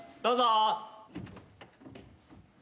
どうぞ。